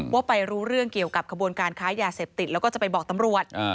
ว่าไปรู้เรื่องเกี่ยวกับขบวนการค้ายาเสพติดแล้วก็จะไปบอกตำรวจ